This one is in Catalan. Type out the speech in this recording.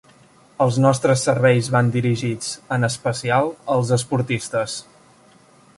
Els nostres serveis van dirigits, en especial, als esportistes.